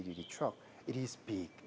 truk truk ini besar dan tumbuh